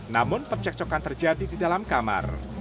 namun percekcokan terjadi di dalam kamar